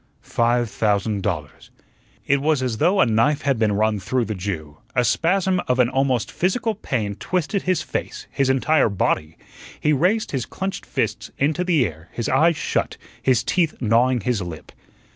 "Five thousand dollars." It was as though a knife had been run through the Jew; a spasm of an almost physical pain twisted his face his entire body. He raised his clenched fists into the air, his eyes shut, his teeth gnawing his lip.